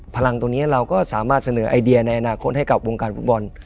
พลังตรงนี้เราก็สามารถเสนอไอเดียในอนาคตให้กับวงการฟุตบอล